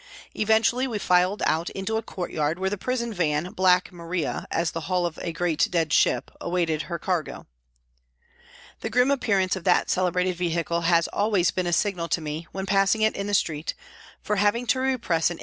Eventually we filed out into a courtyard where the prison van, " Black Maria," as the hull of a great dead ship, awaited her cargo. The grim POLICE COURT TRIAL 61 appearance of that celebrated vehicle had always been a signal to me, when passing it in the street, for having to repress an.